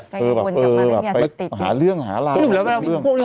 ใกล้จะกลุ่นกลับมาเรื่องยาเสพติด